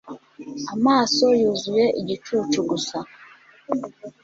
Amaso yuzuye igicucu gusa